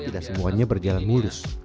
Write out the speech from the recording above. tidak semuanya berjalan murus